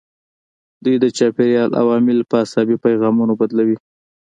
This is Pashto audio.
دوی د چاپیریال عوامل په عصبي پیغامونو بدلوي.